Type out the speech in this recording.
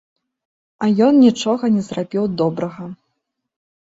А ён нічога не зрабіў добрага.